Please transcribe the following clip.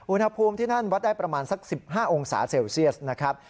อุณหภูมิที่นั่นวัดได้ประมาณสัก๑๕องศาเซลเซียสนะครับ